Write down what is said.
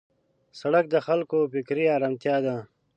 سړک د خلکو فکري آرامتیا ده.